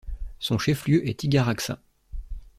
Son chef-lieu est Tigaraksa.